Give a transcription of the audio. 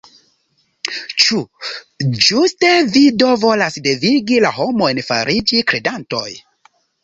Ĉu ĝuste vi do volas devigi la homojn fariĝi kredantoj?